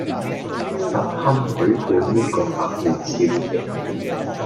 實堪許配呢個白面少爺